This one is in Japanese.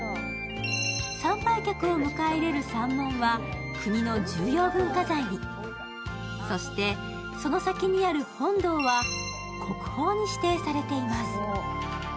参拝客を迎え入れる山門は国の重要文化財に、そして、その先にある本堂は国宝に指定されています。